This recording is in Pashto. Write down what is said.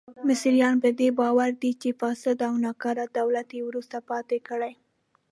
مصریان په دې باور دي چې فاسد او ناکاره دولت یې وروسته پاتې کړي.